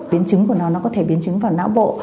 biến chứng của nó nó có thể biến chứng vào não bộ